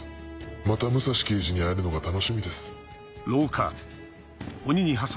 また武蔵刑事に会えるのが楽しみです。